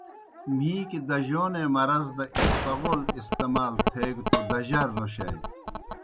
مِھیکی دجونے مرض دہ اسپغول استعمال تھیگہ توْ دجار نوشانیْ۔